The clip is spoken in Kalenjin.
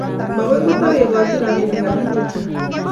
Makoi takekoch robinik alak chechang